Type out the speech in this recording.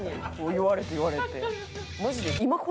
言われて言われて。